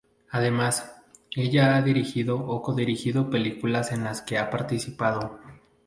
Además, ella ha dirigido o co-dirigido películas en las que ha participado.